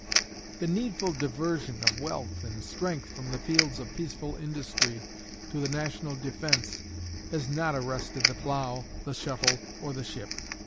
The needful diversion of wealth and strength from the fields of peaceful industry to the national defense has not arrested the plough, the shuttle, or the ship.